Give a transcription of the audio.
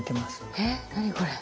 えっ何これ。